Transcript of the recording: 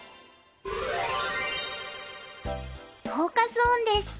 フォーカス・オンです。